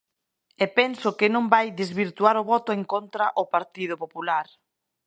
E penso que non vai desvirtuar o voto en contra o Partido Popular.